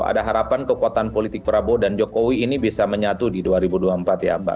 ada harapan kekuatan politik prabowo dan jokowi ini bisa menyatu di dua ribu dua puluh empat ya mbak